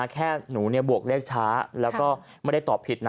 แค่หนูบวกเลขช้าไม่ได้ตอบผิด